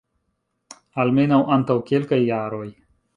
Almenaŭ antaŭ kelkaj jaroj!